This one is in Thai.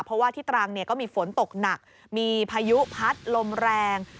เพราะว่าที่ตรังก็มีฝนตกหนักมีพายุพัดลมแรง